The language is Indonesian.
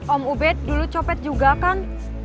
om ubed dulu copet juga kan